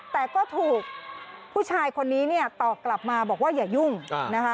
แต่ก็ถูกผู้ชายคนนี้เนี่ยตอบกลับมาบอกว่าอย่ายุ่งนะคะ